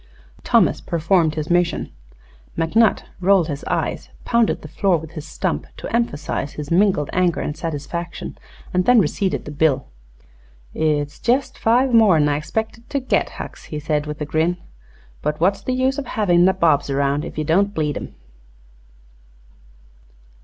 Thomas performed his mission. McNutt rolled his eyes, pounded the floor with his stump to emphasize his mingled anger and satisfaction, and then receipted the bill. "It's jest five more'n I 'spected to git, Hucks," he said with a grin. "But what's the use o' havin' nabobs around, ef ye don't bleed 'em?"